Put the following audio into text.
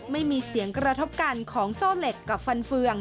ไม่มีเสียงกระทบกันของโซ่เหล็กกับฟันเฟือง